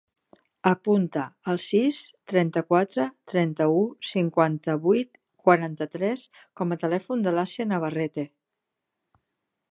Apunta el sis, trenta-quatre, trenta-u, cinquanta-vuit, quaranta-tres com a telèfon de l'Assia Navarrete.